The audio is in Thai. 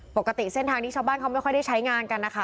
ปกติเส้นทางที่ชาวบ้านเขาไม่ค่อยได้ใช้งานกันนะคะ